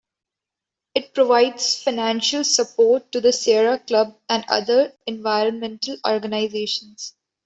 It provides financial support to the Sierra Club and other environmental organizations.